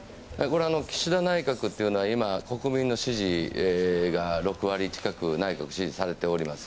岸田内閣というのは国民の支持が６割近くと支持されております。